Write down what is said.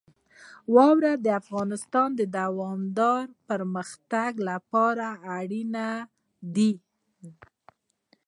واوره د افغانستان د دوامداره پرمختګ لپاره اړین دي.